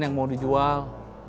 yang mau dijual